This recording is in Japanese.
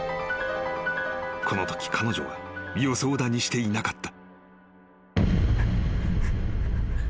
［このとき彼女は予想だにしていなかった］